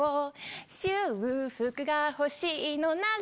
祝福が欲しいのなら